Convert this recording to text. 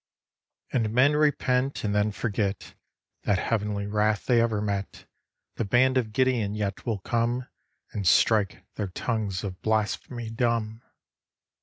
And men repent and then forget That heavenly wrath they ever met, The band of Gideon yet will come And strike their tongues of blasphemy dumb.